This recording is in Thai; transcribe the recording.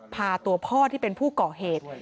พาตัวพ่อที่เป็นผู้ก่อเหตุ